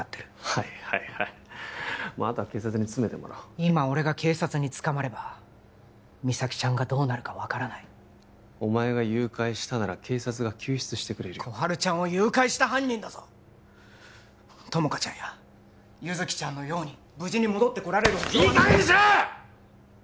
はいはいはいまああとは警察に詰めてもらおう今俺が警察に捕まれば実咲ちゃんがどうなるか分からないお前が誘拐したなら警察が救出してくれるよ心春ちゃんを誘拐した犯人だぞ友果ちゃんや優月ちゃんのように無事に戻ってこられる保証はいい加減にしろっ！